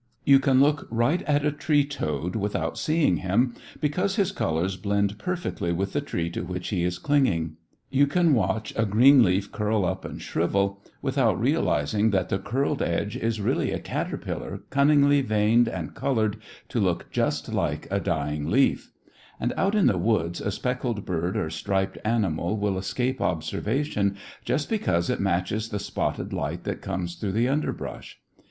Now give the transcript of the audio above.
You can look right at a tree toad without seeing him, because his colors blend perfectly with the tree to which he is clinging. You can watch a green leaf curl up and shrivel without realizing that the curled edge is really a caterpillar, cunningly veined and colored to look just like a dying leaf; and out in the woods a speckled bird or striped animal will escape observation just because it matches the spotted light that comes through the underbrush.